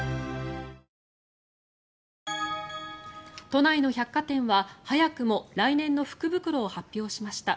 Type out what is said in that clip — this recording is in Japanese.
都内の百貨店は早くも来年の福袋を発表しました。